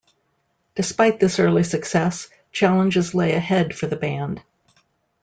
Despite this early success, challenges lay ahead for the band.